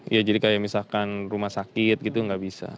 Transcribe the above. ya jadi kayak misalkan rumah sakit gitu nggak bisa